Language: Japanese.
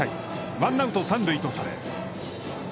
ワンアウト、三塁とされ。